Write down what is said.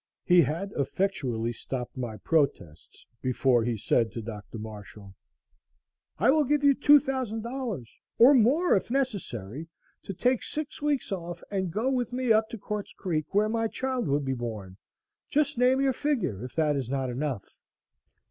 He had effectually stopped my protests before he said to Dr. Marshall: "I will give you $2,000 or more, if necessary, to take six weeks off and go with me up to Quartz Creek where my child will be born. Just name your figure if that is not enough."